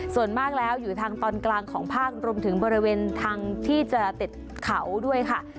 ส่วนมากแล้วอยู่ทางตอนกลางของภาครวมถึงบริเวณทางที่จะติดเขาด้วยค่ะ